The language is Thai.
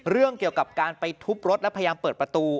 เรื่องเกี่ยวกับการไปทุบรถและพยายามเปิดประตู